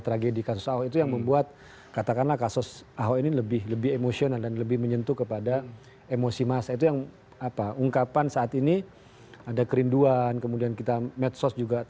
ada tawaran saya mau bekerja